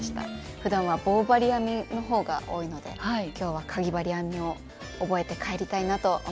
ふだんは棒針編みの方が多いので今日はかぎ針編みを覚えて帰りたいなと思ってます。